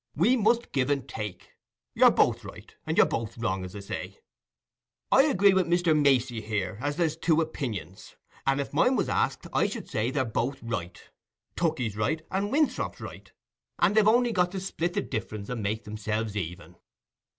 We must give and take. You're both right and you're both wrong, as I say. I agree wi' Mr. Macey here, as there's two opinions; and if mine was asked, I should say they're both right. Tookey's right and Winthrop's right, and they've only got to split the difference and make themselves even."